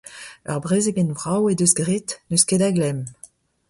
Ur brezegenn vrav he deus graet, n'eus ket da glemm !